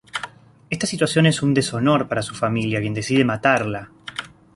Esta situación es un deshonor para su familia, quien decide matarla.